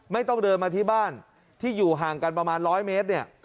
ไม่ต้องเดินมาที่บ้านที่อยู่ห่างกันประมาณ๑๐๐เมตรเนี่ย